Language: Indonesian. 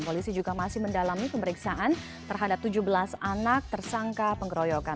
polisi juga masih mendalami pemeriksaan terhadap tujuh belas anak tersangka pengeroyokan